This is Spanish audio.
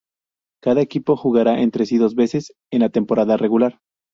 Cada equipo jugará entre sí dos veces en la temporada regular.